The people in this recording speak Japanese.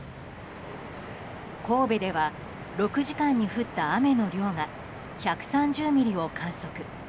神戸では６時間に降った雨の量が１３０ミリを観測。